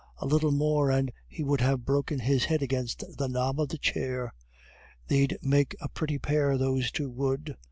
A little more, and he would have broken his head against the knob of the chair. They'd make a pretty pair those two would!"